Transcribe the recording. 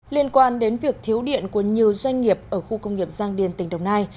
liên quan đến việc thiếu điện của nhiều doanh nghiệp ở khu công nghiệp giang điền tỉnh đồng nai